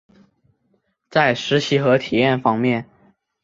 在实习和体验方面